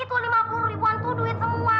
itu lima puluh ribuan tuh duit semua